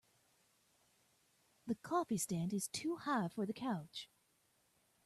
The coffee stand is too high for the couch.